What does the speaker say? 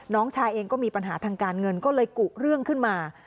น้องชายเองก็มีปัญหาทางการเงินก็เลยกุเรื่องขึ้นมา